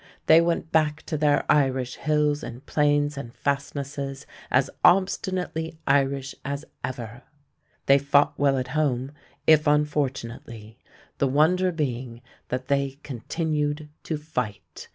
They went back to their Irish hills and plains and fastnesses as obstinately Irish as ever. They fought well at home, if unfortunately, the wonder being that they continued to fight.